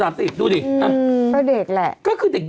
อ่อถ้าผมสี่นะคะได้วัยรุ่น